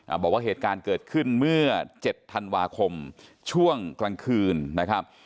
บอกว่าเหตุการณ์เกิดขึ้นเมื่อเจ็ดธันวาคมช่วงกลางคืนนะครับ